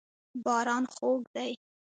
باران خوږ دی.